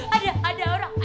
ada ada orang